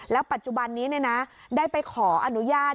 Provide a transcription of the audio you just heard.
ปัจจุบันนี้ได้ไปขออนุญาต